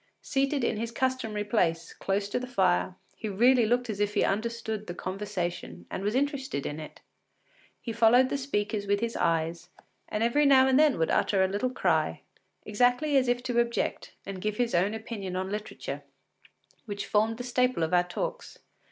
Seated in his customary place, close to the fire, he really looked as if he understood the conversation and was interested in it. He followed the speakers with his eyes, and every now and then would utter a little cry, exactly as if to object and give his own opinion upon literature, which formed the staple of our talks.